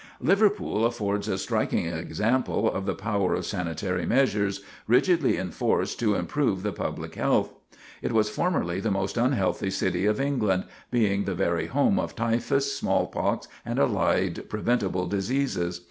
Liverpool affords a striking example of the power of sanitary measures, rigidly enforced to improve the public health. It was formerly the most unhealthy city of England, being the very home of typhus, smallpox, and allied preventable diseases.